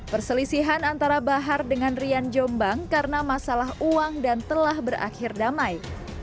perselisihan antara bahar dengan rian jombang karena masalah uang dan telah berakhir damai